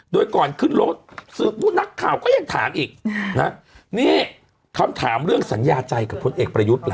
โดยก่อนขึ้นรถนักข่าวก็ยังถามอีกนะนี่คำถามเรื่องสัญญาใจกับพลเอกประยุทธ์ล่ะ